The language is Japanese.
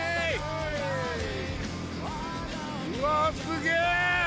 うわあすげえ！